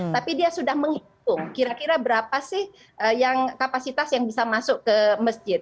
tapi dia sudah menghitung kira kira berapa sih kapasitas yang bisa masuk ke masjid